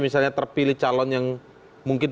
misalnya terpilih calon yang mungkin